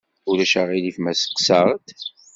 Ulac aɣilif ma sseqsaɣ-d?